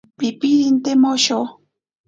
Pipirinte mosho.